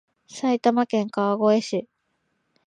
埼玉県川越市